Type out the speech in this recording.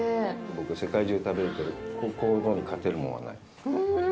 僕、世界中で食べるけどここのに勝てるものはない。